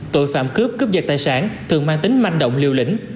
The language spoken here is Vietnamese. tội phạm cướp cướp giật tài sản thường mang tính manh động liều lĩnh